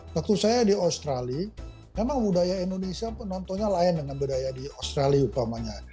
waktu saya di australia memang budaya indonesia penontonnya lain dengan budaya di australia upamanya